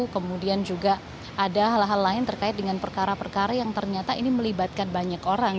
kemudian juga ada hal hal lain terkait dengan perkara perkara yang ternyata ini melibatkan banyak orang